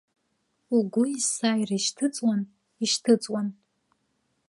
Угәы есааира ишьҭыҵуан, ишьҭыҵуан.